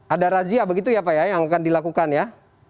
ada razia begitu ya pak ya yang akan dilakukan ya